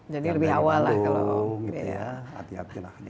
jadi lebih awal lah